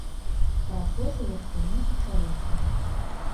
Працэсы яшчэ не пачаліся.